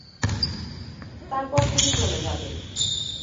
তারপর তুমি চলে যাবে।